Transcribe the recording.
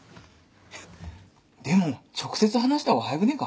でも直接話した方が早くねえか？